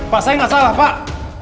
pak saya nggak salah pak